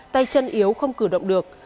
tay chân yếu không cử động được